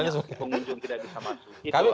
pengunjung tidak bisa masuk